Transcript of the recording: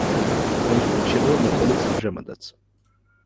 აღნიშნული შენობა მოქმედებს ამჟამადაც.